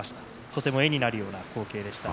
とても絵になるような光景でした。